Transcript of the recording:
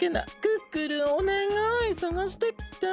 クックルンおねがいさがしてきて。